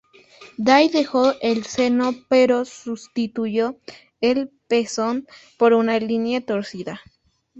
Day dejó el seno, pero sustituyó el pezón por una línea torcida.